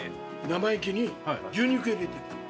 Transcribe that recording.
生意気に牛肉入れてるの。